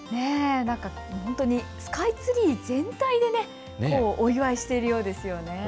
本当にスカイツリー全体でお祝いしているようですよね。